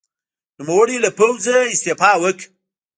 نوموړي له پوځه استعفا وکړه.